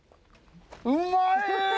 うまい！